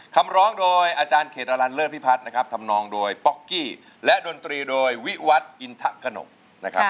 คำร้องโดยอาจารย์เขตอลันเลิศพิพัฒน์นะครับทำนองโดยป๊อกกี้และดนตรีโดยวิวัตรอินทะกนกนะครับ